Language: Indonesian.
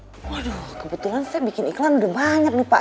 waduh kebetulan saya bikin iklan udah banyak nih pak